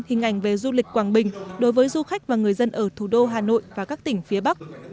hình ảnh về du lịch quảng bình đối với du khách và người dân ở thủ đô hà nội và các tỉnh phía bắc